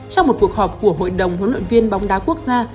sau một cuộc họp của hội đồng huấn luyện viên bóng đá quốc gia